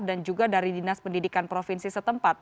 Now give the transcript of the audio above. dan juga dari dinas pendidikan provinsi setempat